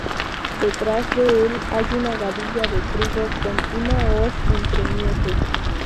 Detrás de el hay una gavilla de trigo con una hoz entre mieses.